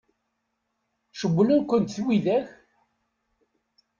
Cewwlen-kent widak?